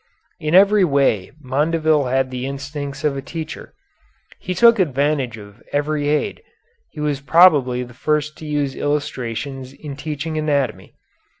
In every way Mondeville had the instincts of a teacher. He took advantage of every aid. He was probably the first to use illustrations in teaching anatomy.